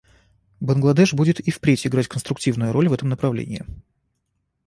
Бангладеш будет и впредь играть конструктивную роль в этом направлении.